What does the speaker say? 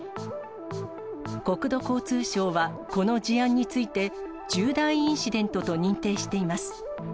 国土交通省はこの事案について、重大インシデントと認定しています。